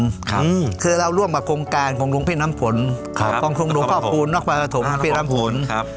ครับอืมคือเราร่วมกับโครงการของลุงพี่น้ำผลครับครับลุงพี่น้ำผลครับ